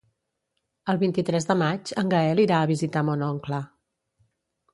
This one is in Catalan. El vint-i-tres de maig en Gaël irà a visitar mon oncle.